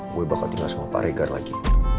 gue bakal tinggal sama pak regar lagi